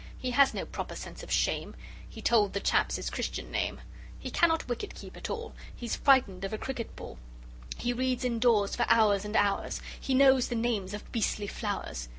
He has no proper sense of shame; He told the chaps his Christian name. He cannot wicket keep at all, He's frightened of a cricket ball. He reads indoors for hours and hours. He knows the names of beastly flowers.